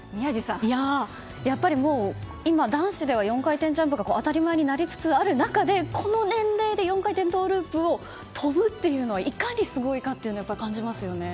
やっぱりもう今、男子では４回転ジャンプが当たり前になりつつある中でこの年齢で４回転トウループを跳ぶというのはいかにすごいかというのを感じますよね。